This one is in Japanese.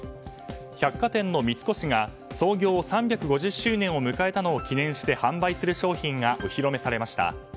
百貨店の三越が創業３５０周年を迎えたのを記念して販売する商品がお披露目されました。